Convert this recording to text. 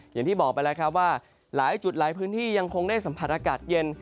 อย่างที่บอกไปแล้วครับว่าหลายจุดหลายพื้นที่ยังคงได้สัมผัสอากาศเย็น